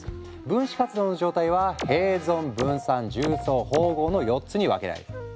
分子活動の状態は併存分散重層包合の４つに分けられる。